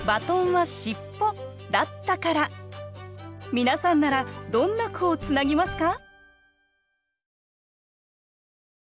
皆さんならどんな句をつなぎますか？